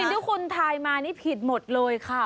ที่คุณทายมานี่ผิดหมดเลยค่ะ